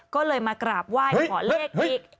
ก็เลยมากราบไหว้ขอเลขอีก